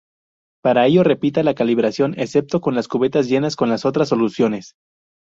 Para ello, repita la calibración, excepto con las cubetas llenas con las otras soluciones.